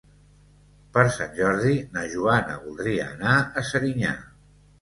Per Sant Jordi na Joana voldria anar a Serinyà.